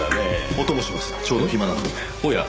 お供します。